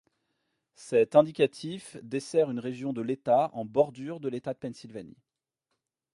Cet indicatif dessert une région de l'État en bordure de l'État de Pennsylvanie.